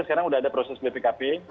sekarang sudah ada proses bpkp